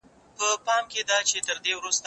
لوښي وچ کړه!.